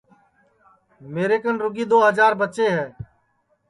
میرے کن رُگی دؔو ہجار بچے ہے